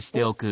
お。